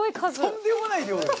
・とんでもない量。